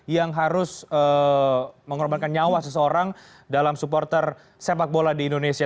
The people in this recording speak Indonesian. yang harus mengorbankan nyawa seseorang dalam supporter sepak bola di indonesia